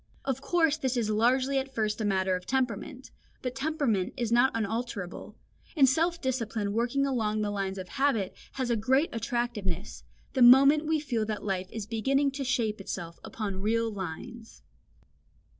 Of course this is largely at first a matter of temperament, but temperament is not unalterable; and self discipline working along the lines of habit has a great attractiveness, the moment we feel that life is beginning to shape itself upon real lines.